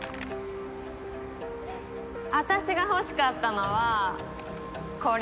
私が欲しかったのはこれ。